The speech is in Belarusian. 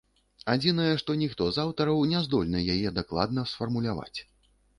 Адзінае, што ніхто з аўтараў не здольны яе дакладна сфармуляваць.